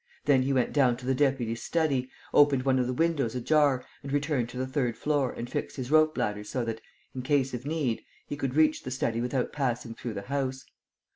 Then he went down to the deputy's study, opened one of the windows ajar and returned to the third floor and fixed his rope ladder so that, in case of need, he could reach the study without passing though the house.